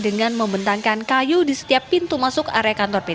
dengan membentangkan kayu di setiap pintu masuk area kantor p tiga